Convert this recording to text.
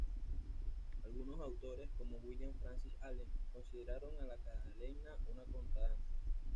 Algunos autores, como William Francis Allen, consideraron a la "calenda" una contradanza.